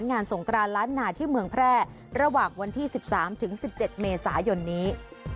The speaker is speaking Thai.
สงกรานล้านนาที่เมืองแพร่ระหว่างวันที่๑๓๑๗เมษายนนี้